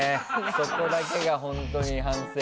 そこだけが本当に反省。